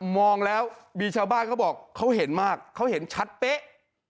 มองแล้วมีชาวบ้านเขาบอกเขาเห็นมากเขาเห็นชัดเป๊ะ